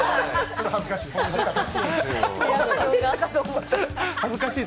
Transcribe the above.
ちょっと恥ずかしい。